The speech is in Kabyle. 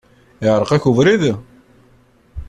Iεreq-ak ubrid?